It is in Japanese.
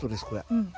うん。